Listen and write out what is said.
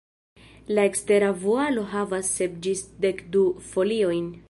La ekstera vualo havas sep ĝis dekdu foliojn.